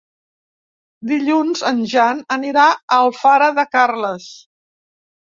Dilluns en Jan anirà a Alfara de Carles.